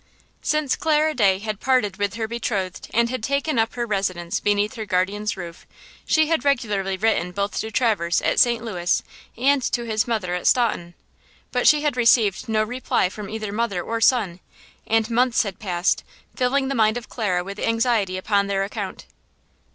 Since Clara Day had parted with her betrothed and had taken up her residence beneath her guardian's roof, she had regularly written both to Traverse at St. Louis and to his mother at Staunton. But she had received no reply from either mother or son. And months had passed, filling the mind of Clara with anxiety upon their account.